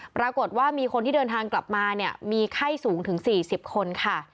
ปรากฏว่ามีคนที่เดินทางกลับมาเนี่ยมีไข้สูงถึง๔๐คนค่ะ